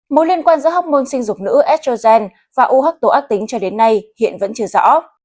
mối liên quan giữa hốc môn sinh dục nữ estrogen và u hắc tố ác tính cho đến nay hiện vẫn chưa rõ